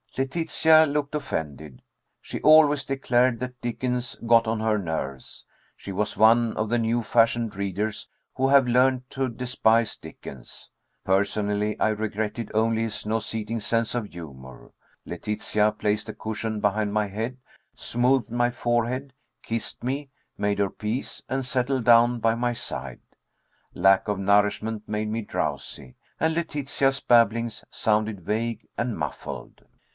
Letitia looked offended. She always declared that Dickens "got on her nerves." She was one of the new fashioned readers who have learned to despise Dickens. Personally, I regretted only his nauseating sense of humor. Letitia placed a cushion behind my head, smoothed my forehead, kissed me, made her peace, and settled down by my side. Lack of nourishment made me drowsy, and Letitia's babblings sounded vague and muffled.